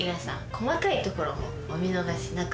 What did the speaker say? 細かいところもお見逃しなく。